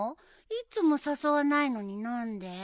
いつも誘わないのに何で？